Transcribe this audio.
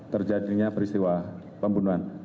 terjadinya peristiwa pembunuhan